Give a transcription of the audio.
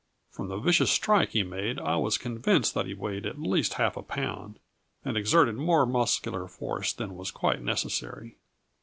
From the vicious strike he made, I was convinced that he weighed at least half a pound, and exerted more muscular force than was quite necessary.